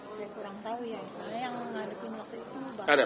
saya kurang tau ya